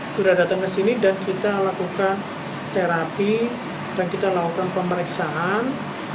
sudah datang ke sini dan kita lakukan terapi dan kita lakukan pemeriksaan